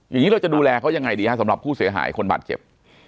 อย่างนี้เราจะดูแลเขายังไงดีฮะสำหรับผู้เสียหายคนบาดเจ็บ